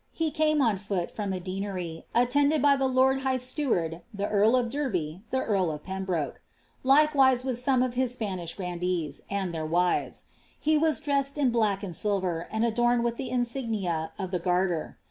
He cnme on foot from ihe deanery, aiieuded by tho lord high steward, the earl of Derby, iha earl of Pe ui broke ; likewise wilh souio of his Spanish gnndees, and Ihtis wive*. He was dressed in black and silver, and adorned wilh ih ■Ignia of the Garler.